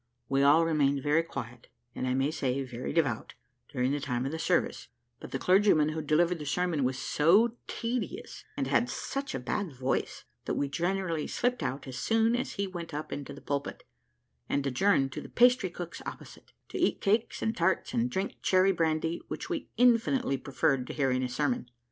We all remained very quiet, and I may say very devout, during the time of the service; but the clergyman who delivered the sermon was so tedious, and had such a bad voice, that we generally slipped out as soon as he went up into the pulpit, and adjourned to a pastrycook's opposite, to eat cakes and tarts and drink cherry brandy, which we infinitely preferred to hearing a sermon.